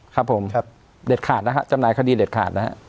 ครับผมเด็ดขาดนะฮะจำหน่ายคดีเด็ดขาดนะครับ